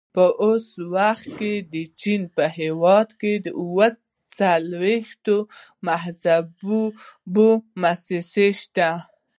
په اوس وخت کې د چین په هېواد کې اووه څلوېښت مذهبي مؤسسې شته.